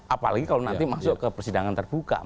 apalagi kalau nanti masuk ke persidangan terbuka